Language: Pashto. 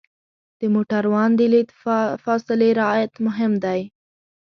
د موټروان د لید فاصلې رعایت مهم دی.